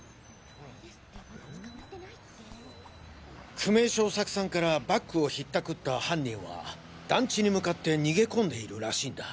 久米庄作さんからバッグを引ったくった犯人は団地に向かって逃げ込んでいるらしいんだ。